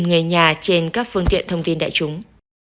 người nhà trên các phương tiện thông tin đại chúng